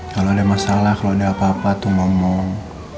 kalau ada masalah kalau ada apa apa tuh ngomong